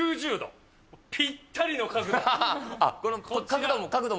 ぴったりの角度。